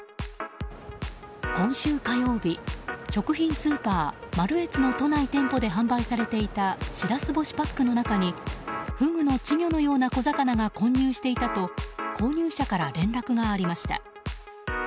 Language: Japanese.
今週火曜日、食品スーパーマルエツの都内店舗で販売されていたシラス干しパックの中にフグの稚魚のような小魚が混入していたと購入者から連絡がありました。